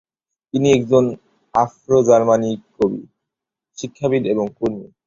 তিনি একজন আফ্রো-জার্মান কবি, শিক্ষাবিদ এবং কর্মী।